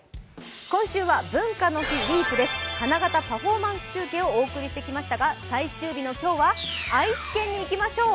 今週は、文化の日ウィークで花形パフォーマンス中継をお送りしてきましたが、最終日の今日は愛知県にいきましょう。